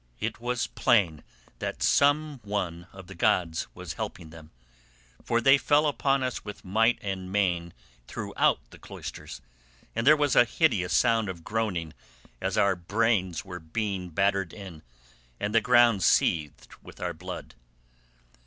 It was plain that some one of the gods was helping them, for they fell upon us with might and main throughout the cloisters, and there was a hideous sound of groaning as our brains were being battered in, and the ground seethed with our blood.